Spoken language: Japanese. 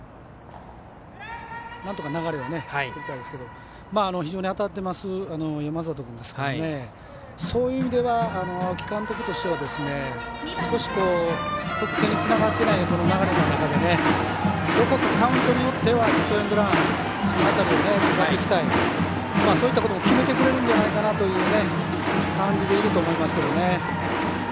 なんとか流れを作りたいですけど非常に当たっている山里君ですからそういう意味では青木監督としては少し、得点につながってない流れの中でカウントによってはヒットエンドラン、その辺りを使っていきたいということも決めてくれるんじゃないかというのも感じでいると思いますけどね。